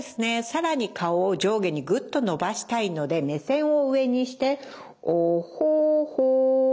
さらに顔を上下にぐっと伸ばしたいので目線を上にしてオホホ。